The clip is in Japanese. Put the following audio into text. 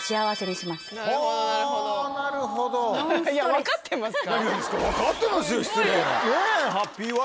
分かってますか？